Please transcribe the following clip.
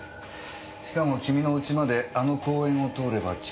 しかも君の家まであの公園を通れば近道だ。